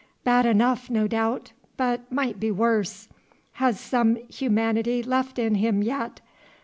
Bad enough, no doubt, but might be worse. Has some humanity left in him yet.